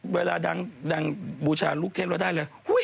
เวลาดังบูชาลูกเทพแล้วได้เลย